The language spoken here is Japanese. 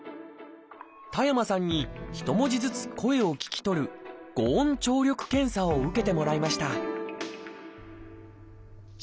田山さんに一文字ずつ声を聞き取る「語音聴力検査」を受けてもらいました「じ」。